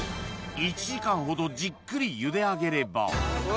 １時間ほどじっくりゆで上げればうわ！